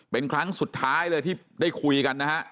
เป็นครั้งสุดท้ายเลยที่ได้คุยกันนะฮะ